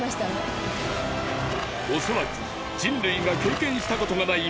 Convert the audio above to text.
恐らく人類が経験したことがない